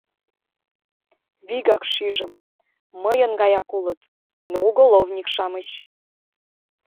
Вигак шижым: мыйын гаяк улыт, но уголовник-шамыч.